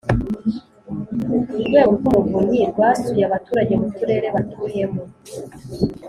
urwego rw’umuvunyi rwasuye abaturage mu turere batuyemo